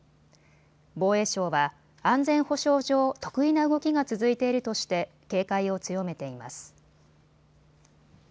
防衛省は安全保障上、特異な動きが続いているとして警戒を強めています。